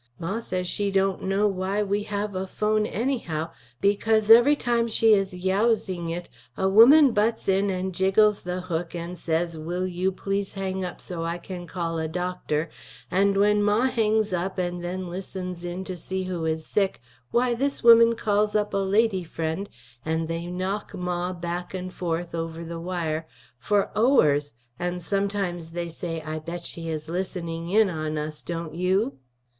Ma says she dont kno why we have a pfhone any how becuase every time she is youseing it a woman buts in & jiggles the hook & says will you pleas hang up so I can call a Dr. & when Ma hangs up & then lissens in to see who is sick, wy this woman calls up a lady f rend & they nock Ma back & 4th over the wyre for ours & some times they say I bet she is lisening in on us dont you.